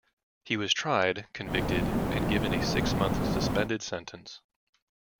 He was tried, convicted and given a six-month suspended sentence.